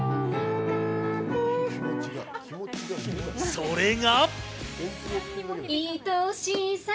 それが。